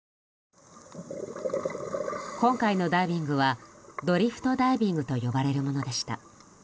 今回のダイビングはドリフトダイビングと呼ばれるものでした。